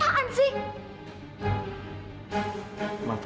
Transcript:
kamu sudah pada pilihan laptop